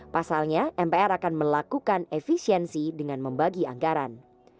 pasalnya mpr akan melakukan efisiensi dengan membagi anggaran